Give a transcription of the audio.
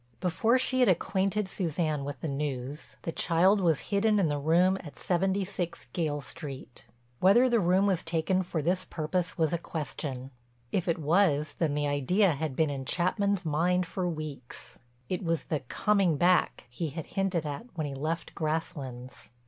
Before she had acquainted Suzanne with the news, the child was hidden in the room at 76 Gayle Street. Whether the room was taken for this purpose was a question. If it was then the idea had been in Chapman's mind for weeks—it was the "coming back" he had hinted at when he left Grasslands.